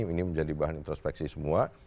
ini menjadi bahan introspeksi semua